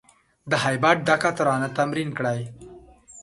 د هیبت ډکه ترانه تمرین کړی